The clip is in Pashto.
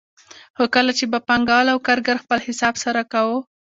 خو کله چې به پانګوال او کارګر خپل حساب سره کاوه